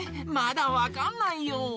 まだわかんないよ。